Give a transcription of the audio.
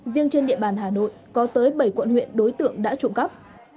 riêng trên địa bàn hà nội có tới bảy quận huyện đối tượng đã trộm cắp